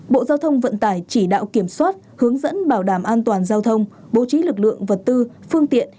bộ giao thông vận tải chỉ đạo kiểm soát hướng dẫn bảo đảm an toàn giao thông bố trí lực lượng vật tư phương tiện